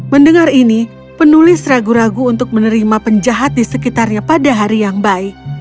mendengar ini penulis ragu ragu untuk menerima penjahat di sekitarnya pada hari yang baik